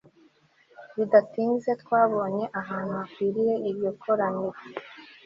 bidatinze twabonye ahantu hakwiriye iryo koraniro